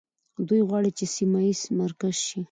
دوی غواړي چې سیمه ییز مرکز شي.